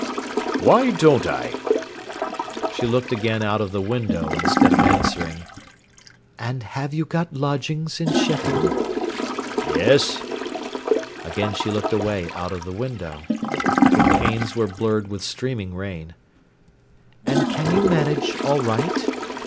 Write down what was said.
"Why don't I?" She looked again out of the window instead of answering. "And have you got lodgings in Sheffield?" "Yes." Again she looked away out of the window. The panes were blurred with streaming rain. "And can you manage all right?"